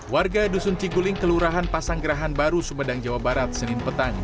warga dusun cikuling kelurahan pasang gerahan baru sumedang jawa barat senin petang